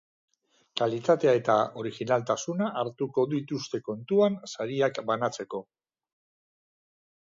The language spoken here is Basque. Kalitatea eta originaltasuna hartuko dituzte kontuan sariak banatzeko.